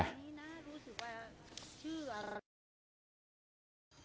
รู้สึกว่าชื่ออะไร